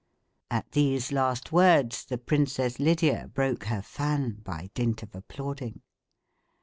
At these last words, the Princess Lydia broke her fan, by dint of applauding.